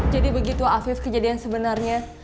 jadi begitu afif kejadian sebenarnya